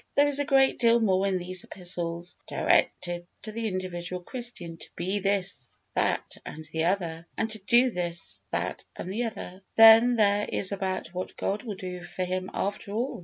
There is a great deal more in these epistles directed to the individual Christian to be this, that, and the other, and to do this, that, and the other, than there is about what God will do for him after all!